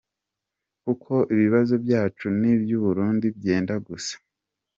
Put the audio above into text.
Kuko ibibazo byacu n’iby’u Burundi byenda gusa.